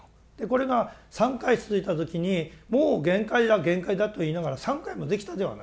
これが３回続いた時にもう限界だ限界だと言いながら３回もできたではないか。